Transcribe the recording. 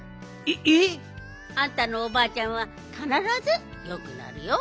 えっ！？あんたのおばあちゃんはかならずよくなるよ。